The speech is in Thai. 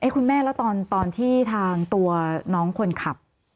คุณแม่แล้วตอนที่ทางตัวน้องคนขับ